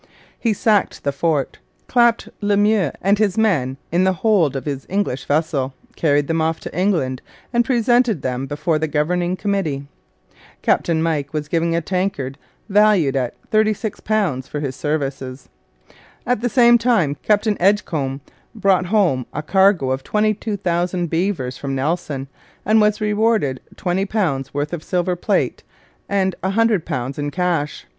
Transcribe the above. He sacked the fort, clapped Le Meux and his men in the hold of his English vessel, carried them off to England, and presented them before the Governing Committee. Captain Mike was given a tankard valued at £36 for his services. At the same time Captain Edgecombe brought home a cargo of 22,000 beavers from Nelson, and was rewarded with £20 worth of silver plate and £100 in cash.